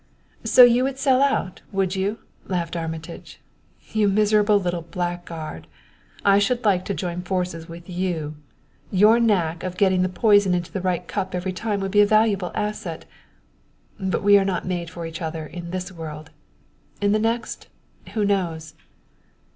"So you would sell out, would you?" laughed Armitage. "You miserable little blackguard, I should like to join forces with you! Your knack of getting the poison into the right cup every time would be a valuable asset! But we are not made for each other in this world. In the next who knows?"